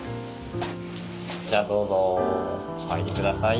じゃあどうぞお入りください。